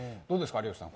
有吉さん